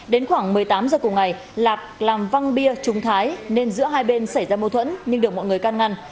đến khoảng một mươi tám giờ cùng ngày lạc làm văng bia trung thái nên giữa hai bên xảy ra mâu thuẫn nhưng được mọi người can ngăn